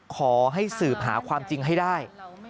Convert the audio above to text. ขอให้สืบหาความจริงให้ได้